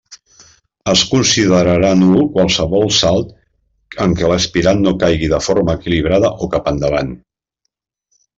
Es considerarà nul qualsevol salt en què l'aspirant no caigui de forma equilibrada o cap endavant.